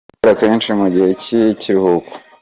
Ujya ukora kenshi mu gihe cy’ikiruhuko.